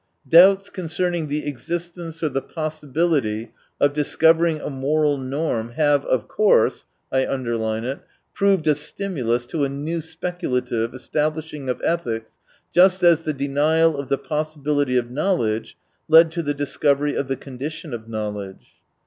—" Doubts concerning the existence or the possibility of discovering a moral norm have, of course (I underline it), proved a stimulus to a new speculative establishing of ethics, just as the denial of the possibility of knowledge led to the discovery of the condition of knowledge."